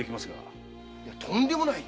とんでもない！